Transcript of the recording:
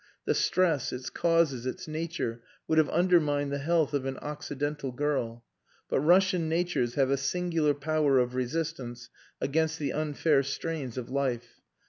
The stress, its causes, its nature, would have undermined the health of an Occidental girl; but Russian natures have a singular power of resistance against the unfair strains of life.